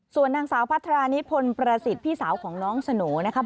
ส่วนนางสาวพัทรานิพลประสิทธิ์พี่สาวของน้องสโหน่นะครับ